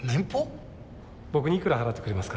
僕にいくら払ってくれますか？